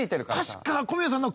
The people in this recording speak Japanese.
確か小宮さんの。